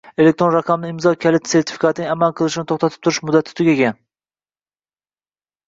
Elektron raqamli imzo kaliti sertifikatining amal qilishini to‘xtatib turish muddati tugagan